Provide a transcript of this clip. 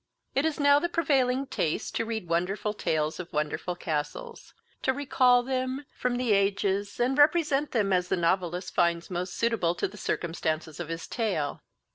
It is now the prevailing taste to read wonderful tales of wonderful castles; to recall them from the [* Missing words here ] ages, and represent them as the novelist finds most suitable to the circumstances of his tale.